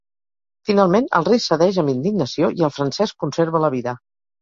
Finalment, el rei cedeix amb indignació i el francès conserva la vida.